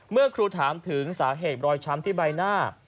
เหตุรอยช้ำที่ใบหน้า